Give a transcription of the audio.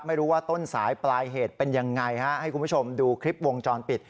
ไม่รู้ว่าต้นสายปลายเหตุเป็นยังไงฮะให้คุณผู้ชมดูคลิปวงจรปิด